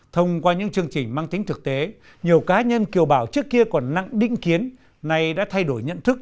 thông qua những chương trình mang tính thực tế nhiều cá nhân kiều bào trước kia còn nặng đĩnh kiến nay đã thay đổi nhận thức